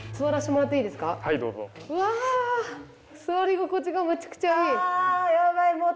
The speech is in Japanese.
座り心地がめちゃくちゃいい。